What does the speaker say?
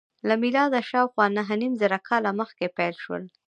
له میلاده شاوخوا نهه نیم زره کاله مخکې پیل شول.